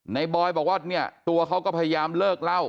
บอยบอกว่าเนี่ยตัวเขาก็พยายามเลิกเล่า